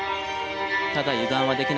ただ油断はできない。